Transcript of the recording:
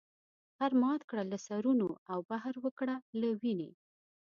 غر مات کړه له سرونو او بحر وکړه له وینې.